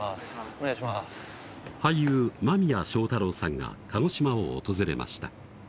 俳優・間宮祥太朗さんが鹿児島を訪れました